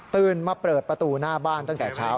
มาเปิดประตูหน้าบ้านตั้งแต่เช้า